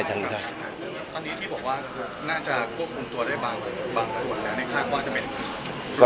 ตอนนี้ที่บอกว่าน่าจะควบคุมตัวด้วยบางส่วนในค่าความจำเป็น